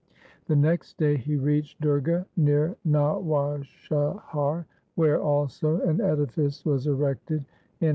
The next day he reached Durga near Nawashahar where also an edifice was erected in his honour.